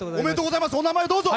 お名前、どうぞ。